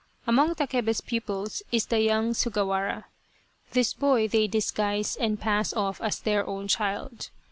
Among Takebe's pupils is the young Sugawara. This boy they disguise and pass off as their own child.